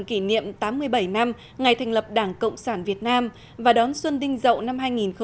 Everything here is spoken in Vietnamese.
kỷ niệm tám mươi bảy năm ngày thành lập đảng cộng sản việt nam và đón xuân đinh dậu năm hai nghìn một mươi chín